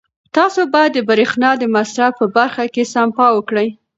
تاسو باید د برېښنا د مصرف په برخه کې سپما وکړئ.